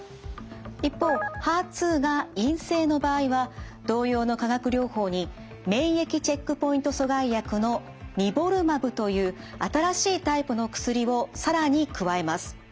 一方ＨＥＲ２が陰性の場合は同様の化学療法に免疫チェックポイント阻害薬のニボルマブという新しいタイプの薬を更に加えます。